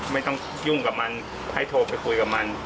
ไม่ต้องยุ่งกับมันให้โทรไปคุยกับมัน